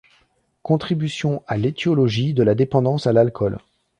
Contribution à l'étiologie de la dépendance à l'alcool.